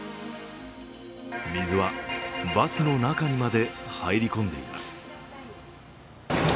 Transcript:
水はバスの中にまで入り込んでいます。